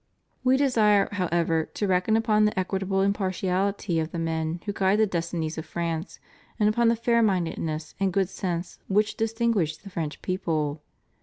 We desire, however, to reckon upon the equitable impartiality of the men who guide the destinies of France and upon the fairmindedness and good sense which distinguish the French people.